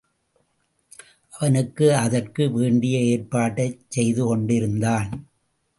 அவனும் அதற்கு வேண்டிய ஏற்பாட்டைச் செய்து கொண்டிருந்தான்.